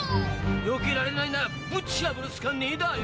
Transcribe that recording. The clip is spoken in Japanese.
よけられないならぶち破るしかねえだあよ。